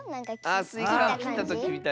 あっスイカをきったときみたいだね。